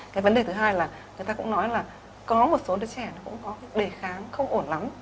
cái vấn đề thứ hai là người ta cũng nói là có một số đứa trẻ nó cũng có cái đề kháng không ổn lắm